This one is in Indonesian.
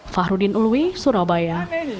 fahrudin uluwi surabaya